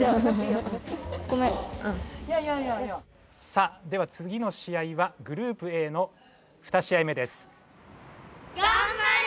さあでは次の試合はグループＡの２試合目です。